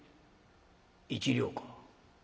１両か。